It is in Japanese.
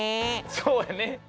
そうやね。